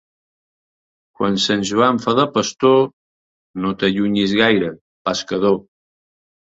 Quan Sant Joan fa de pastor, no t'allunyis gaire, pescador.